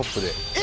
え！